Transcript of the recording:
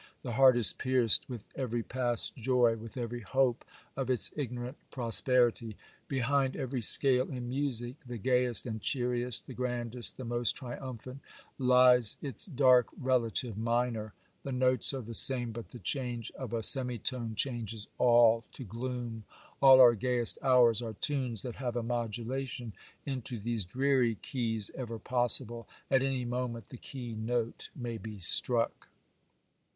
The heart is pierced with every past joy, with every hope of its ignorant prosperity. Behind every scale in music, the gayest and cheeriest, the grandest, the most triumphant, lies its dark relative minor; the notes are the same, but the change of a semitone changes all to gloom; all our gayest hours are tunes that have a modulation into these dreary keys ever possible; at any moment the key note may be struck.